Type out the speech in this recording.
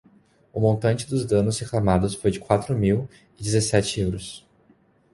O montante dos danos reclamados foi de quatro mil e dezassete euros.